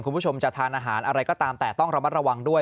คุณผู้ชมจะทานอาหารอะไรก็ตามแต่ต้องระมัดระวังด้วย